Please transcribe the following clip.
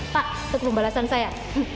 tak itu kemembalasan saya